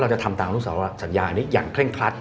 จะทำตามอนุสาวสัญญานี้อย่างเคร่งครัด